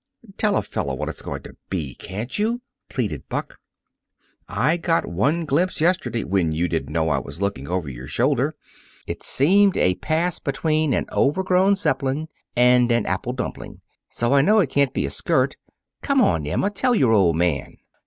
"Tell a fellow what it's going to be, can't you?" pleaded Buck. "I got one glimpse yesterday, when you didn't know I was looking over your shoulder. It seemed a pass between an overgrown Zeppelin and an apple dumpling. So I know it can't be a skirt. Come on, Emma; tell your old man!"